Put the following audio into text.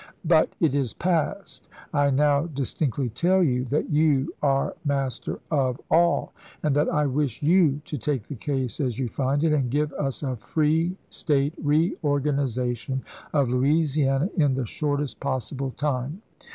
But it is past. I now distinctly tell you that you are master of all, and that I wish you to take the case as you find it, and give us a free State reorganization of Louisiana in the shortest possible time.